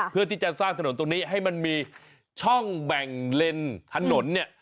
เพื่อที่จะสร้างถนนตรงนี้ให้มันมีช่องแบ่งเลนถนนเนี่ย